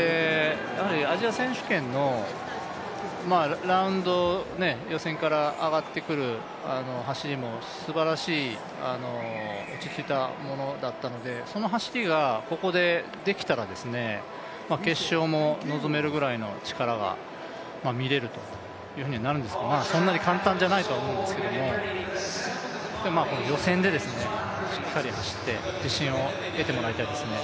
アジア選手権のラウンド、予選から上がってくる走りもすばらしい落ち着いたものだったので、その走りがここでできたら、決勝も望めるぐらいの力が見られるというふうにはなるんですが、そんなに簡単じゃないとは思うんですけども、予選でしっかり走って自信を得てもらいたいですね。